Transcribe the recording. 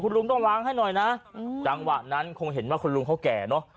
ลุงต้องล้างให้หน่อยนะจังหวะนั้นคงเห็นว่าคุณลุงเขาแก่เนอะ